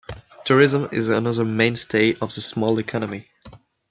Tourism is another mainstay of the small economy.